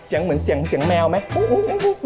เสียงเหมือนเสียงแมวไหม